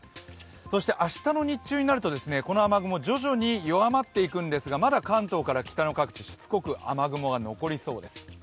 そして明日の日中になるとこの雨雲、徐々に弱まっていくんですがまだ関東から北の各地、しつこく雨雲が残りそうです。